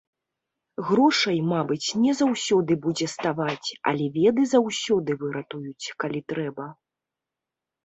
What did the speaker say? Грошай, мабыць, не заўсёды будзе ставаць, але веды заўсёды выратуюць, калі трэба.